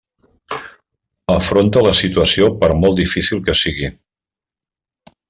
Afronta la situació per molt difícil que sigui.